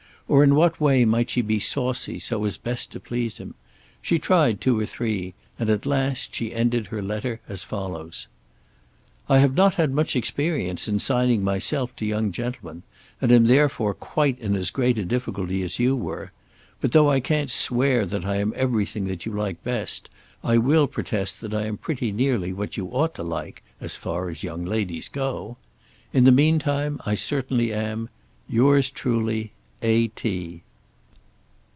Or in what way might she be saucy so as best to please him? She tried two or three, and at last she ended her letter as follows. I have not had much experience in signing myself to young gentlemen and am therefore quite in as great a difficulty as you were; but, though I can't swear that I am everything that you like best, I will protest that I am pretty nearly what you ought to like, as far as young ladies go. In the meantime I certainly am, Yours truly, A.